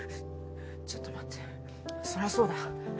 ちょっと待ってそりゃそうだ。